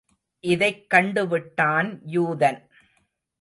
இதைக் கண்டுவிட்டான் யூதன்.